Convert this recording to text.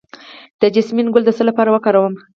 د جیسمین ګل د څه لپاره وکاروم؟